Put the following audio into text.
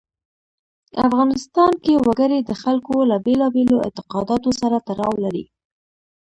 افغانستان کې وګړي د خلکو له بېلابېلو اعتقاداتو سره تړاو لري.